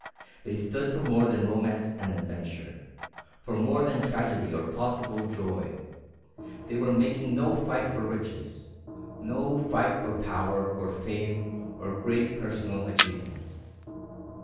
They stood for more than romance and adventure, for more than tragedy or possible joy; they were making no fight for riches no fight for power, or fame, or great personal achievement.